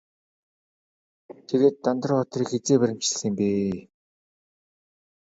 Тэгээд Дандар баатрыг хэзээ баривчилсан юм бэ?